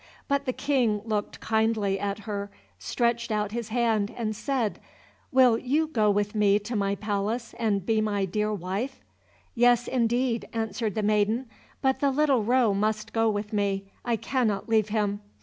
But the King looked kindly at her, stretched out his hand, and said, "Will you go with me to my palace and be my dear wife?" "Yes, indeed," answered the maiden, "but the little roe must go with me, I cannot leave him."